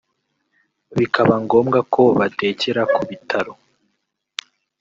bikaba ngombwa ko batekera ku bitaro